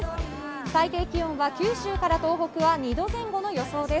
最低気温は九州から東北は２度前後の予想です。